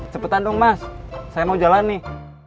cepetan dong mas saya mau jalan nih